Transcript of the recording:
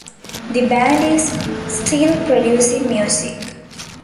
The band is still producing music.